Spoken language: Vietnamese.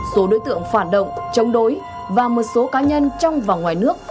số đối tượng phản động chống đối và một số cá nhân trong và ngoài nước